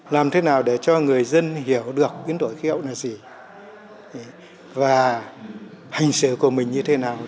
làm thế nào để cho người dân hiểu được biến đổi khí hậu là gì và hành xử của mình như thế nào